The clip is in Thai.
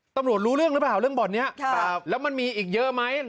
ตำรวจรู้เรื่องรึเปล่าเรื่องบ่อนเนี้ยครับแล้วมันมีอีกเยอะไหม